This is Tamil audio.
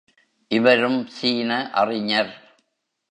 இவரும் சீன அறிஞர்.